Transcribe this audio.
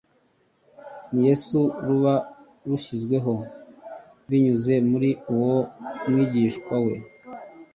ni Yesu ruba rushyizweho binyuze muri uwo mwigishwa we,